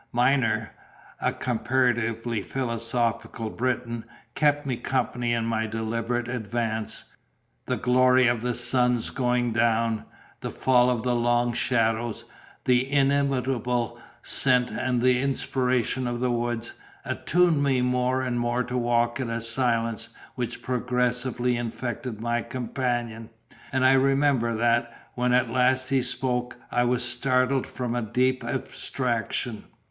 Myner, a comparatively philosophic Briton, kept me company in my deliberate advance; the glory of the sun's going down, the fall of the long shadows, the inimitable scent and the inspiration of the woods, attuned me more and more to walk in a silence which progressively infected my companion; and I remember that, when at last he spoke, I was startled from a deep abstraction.